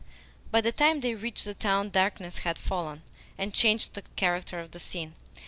By the time they reached the town darkness had fallen, and changed the character of the scene.